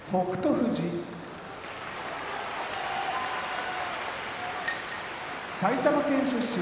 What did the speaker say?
富士埼玉県出身